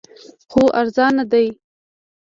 خو ارزانه دی